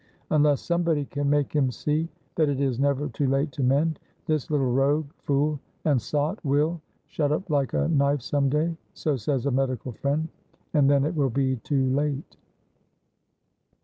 Unless somebody can make him see that it is never too late to mend, this little rogue, fool and sot will "shut up like a knife some day" (so says a medical friend), and then it will be too late.